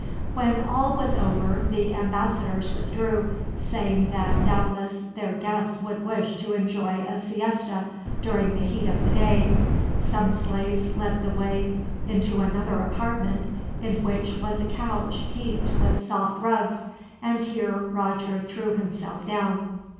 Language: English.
When all was over the ambassadors withdrew, saying that, doubtless, their guests would wish to enjoy a siesta during the heat of the day. Some slaves led the way into another apartment, in which was a couch heaped with soft rugs, and here Roger threw himself down.